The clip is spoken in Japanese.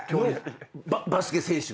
バスケ選手が？